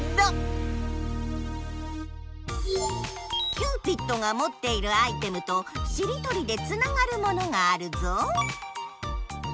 キューピッドがもっているアイテムとしりとりでつながるものがあるぞ！